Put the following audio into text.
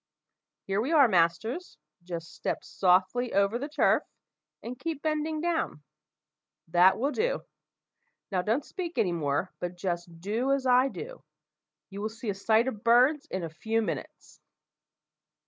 Here we are, masters: just step softly over the turf, and keep bending down. That will do. Now don't speak any more, but just do as I do. You will see a sight of birds in a few minutes."